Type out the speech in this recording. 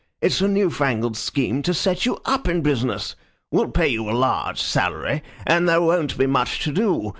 "It's a new fangled scheme to set you up in business. We'll pay you a large salary, and there won't be much to do.